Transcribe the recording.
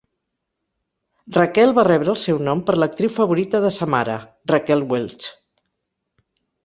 Raquel va rebre el seu nom per l'actriu favorita de sa mare, Raquel Welch.